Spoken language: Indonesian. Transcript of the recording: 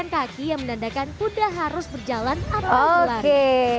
ada gerakan kaki yang mendandakan kuda harus berjalan atau berlari